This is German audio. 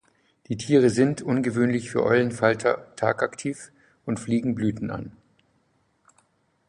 Die Tiere sind, ungewöhnlich für Eulenfalter, tagaktiv, und fliegen Blüten an.